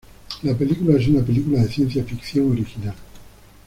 La película es una película de ciencia ficción original.